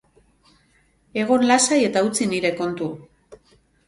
Egon lasai eta utzi nire kontu.